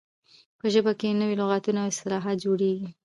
په ژبه کښي نوي لغاتونه او اصطلاحات جوړیږي.